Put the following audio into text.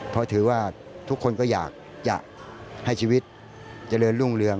เพราะถือว่าทุกคนก็อยากจะให้ชีวิตเจริญรุ่งเรือง